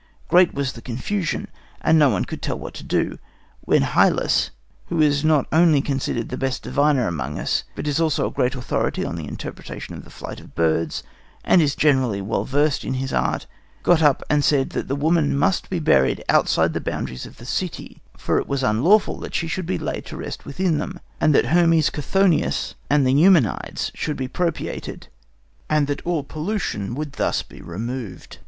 Great was the confusion, and no one could tell what to do, when Hyllus, who is not only considered the best diviner among us, but is also a great authority on the interpretation of the flight of birds, and is generally well versed in his art, got up and said that the woman must be buried outside the boundaries of the city, for it was unlawful that she should be laid to rest within them; and that Hermes Chthonius and the Eumenides should be propitiated, and that all pollution would thus be removed.